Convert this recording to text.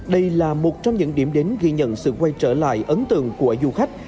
đây là một trong những điểm đến ghi nhận sự quay trở lại ấn tượng của du khách